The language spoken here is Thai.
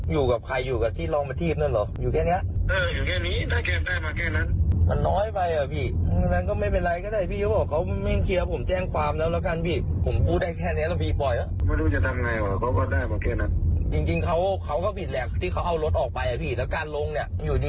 อย่างนี้ดับวันหนึ่ง๒๐๐๐คัน